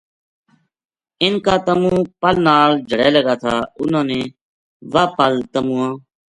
اِنھ کا تمو پل نال جھَڑے لگا تھا اِنھاں نے واہ پل تمواں